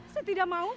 saya tidak mau